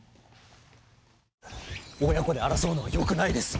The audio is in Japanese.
親子で争うのはよくないです。